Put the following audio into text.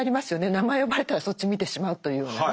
名前呼ばれたらそっち見てしまうというふうなね。